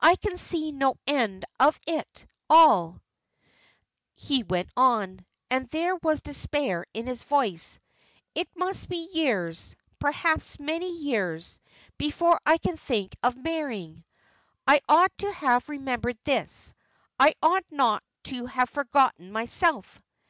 "I can see no end of it all," he went on and there was despair in his voice. "It must be years perhaps many years before I can think of marrying. I ought to have remembered this I ought not to have forgotten myself."